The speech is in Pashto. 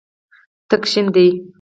تک شین دی.